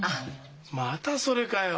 またそれかよ。